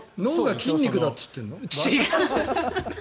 脳が筋肉だって言ってるの？